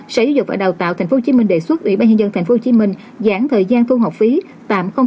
sở giáo dục và đào tạo tp hcm đề xuất ủy ban nhân dân tp hcm giãn thời gian thu học phí tạm